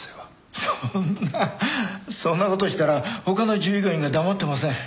そんなそんな事したら他の従業員が黙ってません。